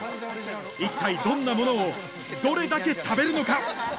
一体どんなものをどれだけ食べるのか？